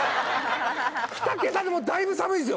２桁でもだいぶ寒いんですよ